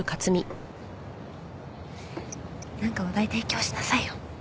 何か話題提供しなさいよ。